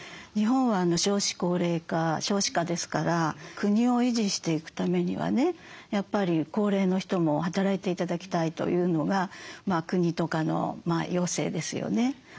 日本は少子高齢化少子化ですから国を維持していくためにはねやっぱり高齢の人も働いて頂きたいというのが国とかの要請ですよね。